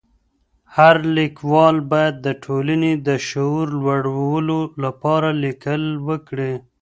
هر ليکوال بايد د ټولني د شعور لوړولو لپاره ليکل وکړي.